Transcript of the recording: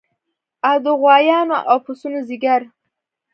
او د غوایانو او پسونو ځیګر